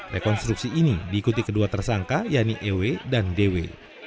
rekonstruksi ini diikuti kedua tersangka yanni ewe dan dewi